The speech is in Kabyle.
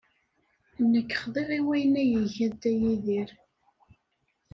Nekk xḍiɣ i wayen ay iga Dda Yidir.